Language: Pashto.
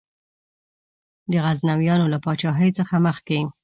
د غزنویانو له پاچهۍ څخه مخکي.